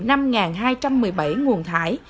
năm hai trăm một mươi bảy nguồn thải